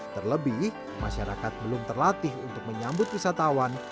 terlebih masyarakat belum terlatih untuk menyambut wisatawan